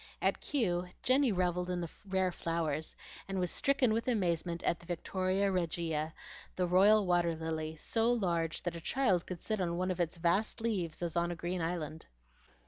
At Kew Jenny revelled in the rare flowers, and was stricken with amazement at the Victoria Regia, the royal water lily, so large that a child could sit on one of its vast leaves as on a green island.